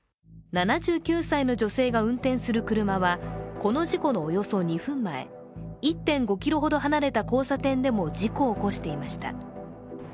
７９歳の女性が運転する車は、この事故のおよそ２分前、１．５ｋｍほど離れた交差点でも事故を起こしていました。